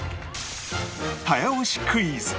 早押しクイズ！